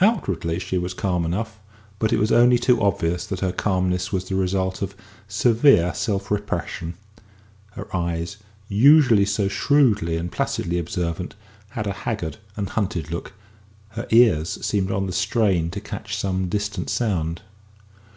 Outwardly she was calm enough, but it was only too obvious that her calmness was the result of severe self repression; her eyes, usually so shrewdly and placidly observant, had a haggard and hunted look; her ears seemed on the strain to catch some distant sound.